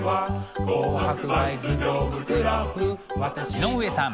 井上さん